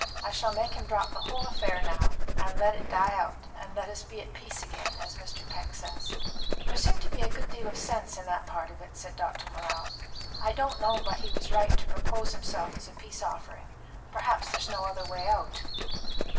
I shall make him drop the whole affair now, and let it die out, and let us be at peace again, as Mr. Peck says." "There seemed to be a good deal of sense in that part of it," said Dr. Morrell. "I don't know but he was right to propose himself as a peace offering; perhaps there's no other way out."